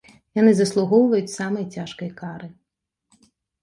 Яны заслугоўваюць самай цяжкай кары.